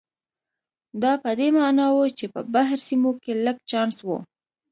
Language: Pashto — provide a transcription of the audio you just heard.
دا په دې معنا و چې په بهر سیمو کې لږ چانس و.